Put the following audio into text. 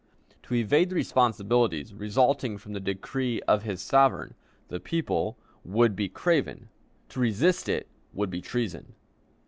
To evade the responsibilities resulting from the decree of his sovereign, the people, would be craven; to resist it would be treason.